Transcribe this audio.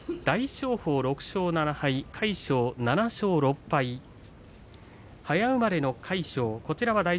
大翔鵬、６勝７敗魁勝、７勝６敗早生まれの魁勝。